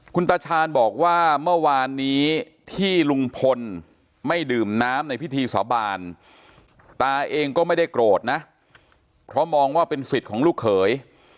คุณตาชาญบอกว่าเมื่อวานนี้ที่ลุงพลไม่ดื่มน้ำในพิธีสาบานตาเองก็ไม่ได้โกรธนะเพราะมองว่าเป็นสิทธิ์ของลูกเขย